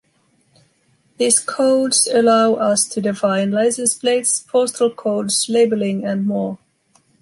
This codes allow us to define license plates, postal codes, labeling and more.